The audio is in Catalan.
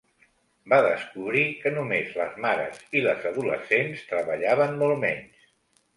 Va descobrir que només les mares i les adolescents treballaven molt menys.